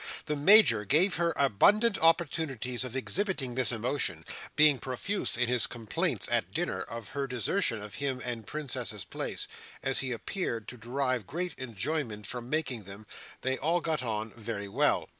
The Major gave her abundant opportunities of exhibiting this emotion: being profuse in his complaints, at dinner, of her desertion of him and Princess's Place: and as he appeared to derive great enjoyment from making them, they all got on very well.